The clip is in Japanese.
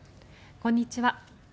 こんにちは。